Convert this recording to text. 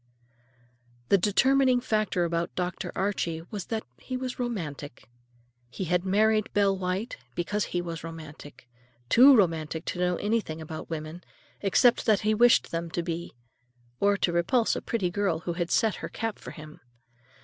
The determining factor about Dr. Archie was that he was romantic. He had married Belle White because he was romantic—too romantic to know anything about women, except what he wished them to be, or to repulse a pretty girl who had set her cap for him.